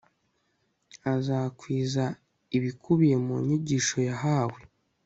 azakwiza ibikubiye mu nyigisho yahawe